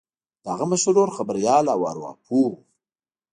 د هغه مشر ورور خبریال او ارواپوه و